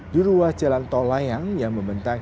di ruas jalan tol layang yang membentang